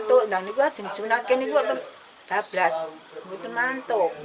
setelah beberapa hari kembali ke rumah keberadaan agus tetap dipantau oleh pemerintahan